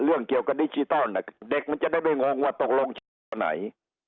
เรื่องเกี่ยวกับดิจิทัลเด็กมันจะได้ไม่งงว่าตกลงเฉพาะไหน